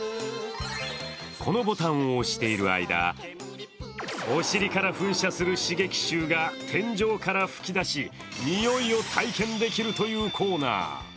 このボタンを押している間、お尻から噴射する刺激臭が天井から噴き出し臭いを体験できるというコーナー。